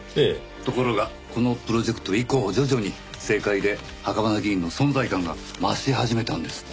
ところがこのプロジェクト以降徐々に政界で袴田議員の存在感が増し始めたんですって。